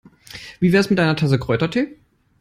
Wie wär's mit einer Tasse Kräutertee?